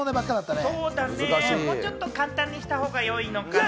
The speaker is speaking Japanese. もうちょっと簡単にした方が良いのかな？